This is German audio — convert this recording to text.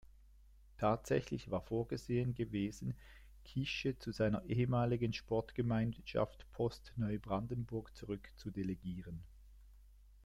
Tatsächlich war vorgesehen gewesen, Kische zu seiner ehemaligen Sportgemeinschaft Post Neubrandenburg zurück zu delegieren.